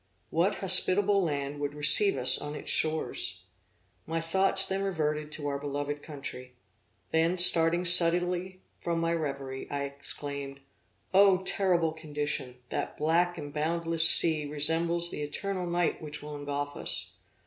What hospitable land would receive us on its shores? My thoughts then reverted to our beloved country. Then starting suddenly from my reverie, I exclaimed: 'O terrible condition! that black and boundless sea resembles the eternal night which will engulf us!